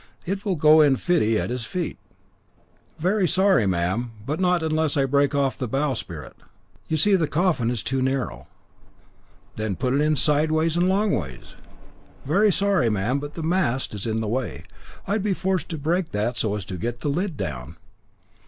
It will go in fitty at his feet." "Very sorry, ma'am, but not unless I break off the bowsprit. You see the coffin is too narrow." "Then put'n in sideways and longways." "Very sorry, ma'am, but the mast is in the way. I'd be forced to break that so as to get the lid down."